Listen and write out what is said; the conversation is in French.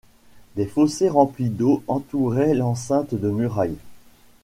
Des fossés remplis d'eau entouraient l'enceinte de murailles.